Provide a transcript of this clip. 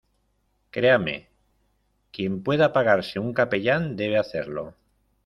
créame, quien pueda pagarse un capellán , debe hacerlo